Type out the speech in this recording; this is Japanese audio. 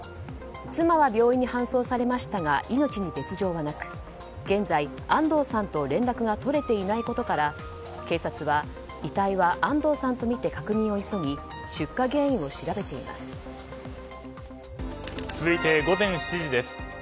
妻は病院に搬送されましたが命に別条はなく現在、安藤さんと連絡が取れていないことから警察は遺体は安藤さんとみて確認を急ぎ続いて、午前７時です。